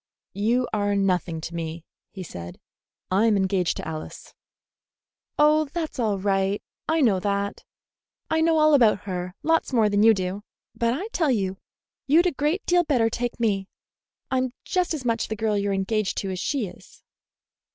"You are nothing to me," he said. "I am engaged to Alice." "Oh, that's all right. I know that. I know all about her; lots more than you do. But I tell you, you'd a great deal better take me. I'm just as much the girl you're engaged to as she is."